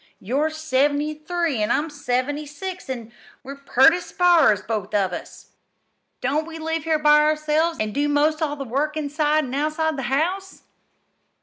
You're seventy three an' I'm seventy six, an' we're pert as sparrers, both of us. Don't we live here by ourselves, an' do most all the work inside an' outside the house?"